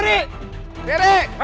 dadah nanti aku ke baro